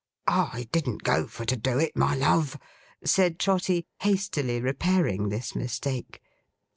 'I didn't go for to do it, my love,' said Trotty, hastily repairing this mistake.